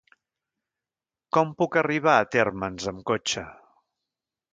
Com puc arribar a Térmens amb cotxe?